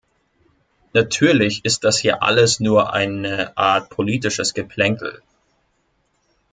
Natürlich ist das hier alles nur eine Art politisches Geplänkel.